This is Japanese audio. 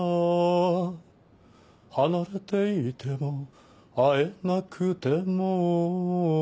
「離れていても会えなくても」